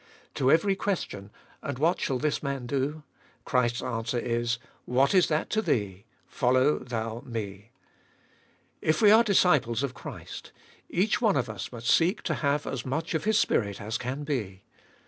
To every question, And wliat shall this man do? Christ's answer is, What is that to thee ! Follow thou Me. If we are disciples of Christ, each one of us must seek to have as vibe fbolfest ot ail 447 much of His Spirit as can be.